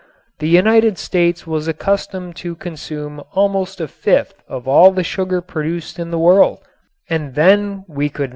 The United States was accustomed to consume almost a fifth of all the sugar produced in the world and then we could not get it.